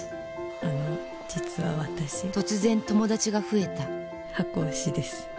あの実は私突然友達が増えた箱推しです。